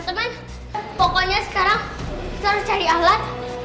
teman pokoknya sekarang kita harus cari alat